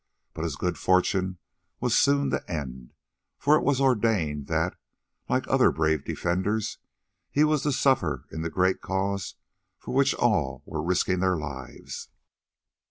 But his good fortune was soon to end, for it was ordained that, like other brave defenders, he was to suffer in the great cause for which all were risking their lives.